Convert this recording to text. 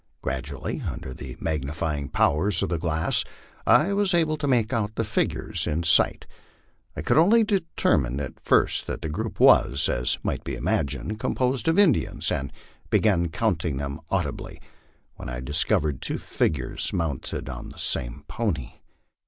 Gradually, under the magnifying powers of the glass, I was able to make out the figures in sight. I could only determine at first that the group was, as might be imagined, composed of Indians, and began counting them audibly, when I discovered two figures mounted upon the same pony.